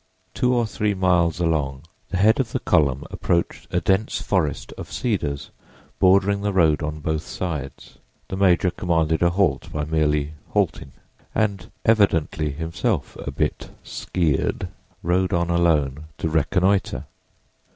Two or three miles along, the head of the column approached a dense forest of cedars bordering the road on both sides. The major commanded a halt by merely halting, and, evidently himself a bit "skeered," rode on alone to reconnoiter.